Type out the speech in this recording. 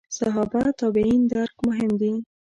صحابه تابعین درک مهم دي.